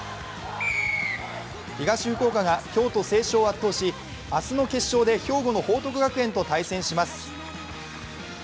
東福岡が京都成章を圧倒し明日の決勝で兵庫の報徳学園と対戦します。